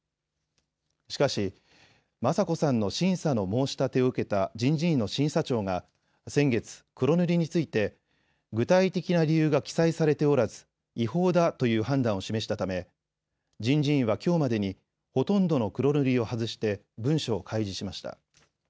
しかし雅子さんの審査の申し立てを受けた人事院の審査庁が先月、黒塗りについて具体的な理由が記載されておらず、違法だという判断を示したため人事院はきょうまでにほとんどの黒塗りを外して文書を開示しました。